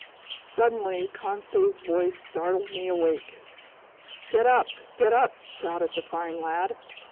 ... Suddenly Conseil's voice startled me awake. "Get up! Get up!" shouted the fine lad.